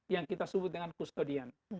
yang kita sebut dengan kustodian